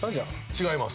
違います。